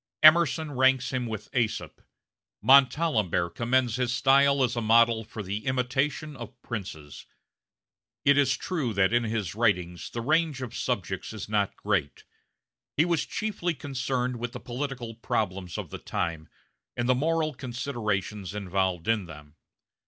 Emerson ranks him with Aesop; Montalembert commends his style as a model for the imitation of princes. It is true that in his writings the range of subjects is not great. He was chiefly concerned with the political problems of the time, and the moral considerations involved in them.